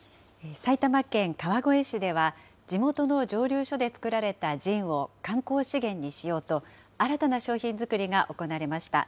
埼玉県川越市では、地元の蒸留所で造られたジンを観光資源にしようと、新たな商品作りが行われました。